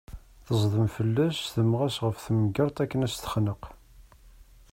Teẓdem fella-s, temmeɣ-as ɣef temgerṭ akken a tt-texneq.